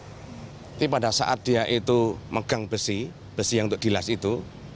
jadi pada saat dia itu megang besi besi yang untuk dilas itu